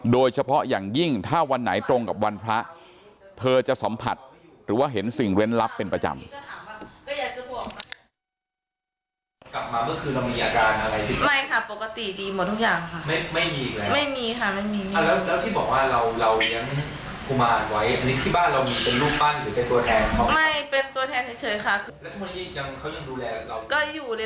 โดยเฉพาะอย่างยิ่งถ้าวันไหนตรงกับวันพระเธอจะสัมผัสหรือว่าเห็นสิ่งเล่นลับเป็นประจำ